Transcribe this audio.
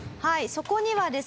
そこにはですね